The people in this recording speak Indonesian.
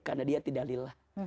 karena dia tidak lillah